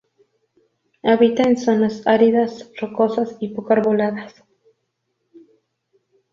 Habita en zonas áridas, rocosas y poco arboladas.